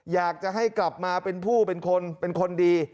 อยากจะให้กลับมาเป็นผู้เป็นคนเป็นคนดี